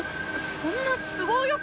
そんな都合よく。